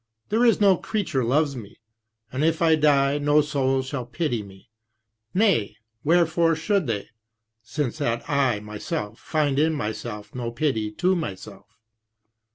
There is no creature loves me ; And if I die, no soul shall pity me ; Nay, wherefore should they, since that I myself Find in myself no pity to myself?"